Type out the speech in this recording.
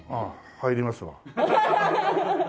入りますわ。